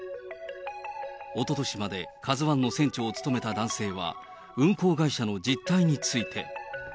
おととしまでカズワンの船長を務めた男性は、運航会社の実態について。